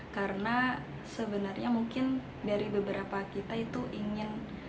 karena sebenarnya mungkin dari beberapa kita itu ingin